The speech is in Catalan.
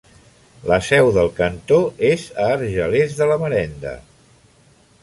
La seu del cantó és a Argelers de la Marenda.